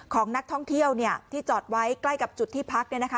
ของนักท่องเที่ยวที่จอดไว้ใกล้กับจุดที่พัก